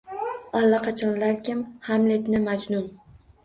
Allaqachonlarkim Hamletni majnun.